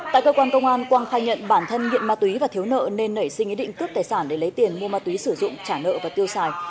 tại cơ quan công an quang khai nhận bản thân nghiện ma túy và thiếu nợ nên nảy sinh ý định cướp tài sản để lấy tiền mua ma túy sử dụng trả nợ và tiêu xài